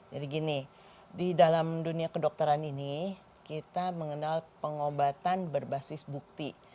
jadi gini di dalam dunia kedokteran ini kita mengenal pengobatan berbasis bukti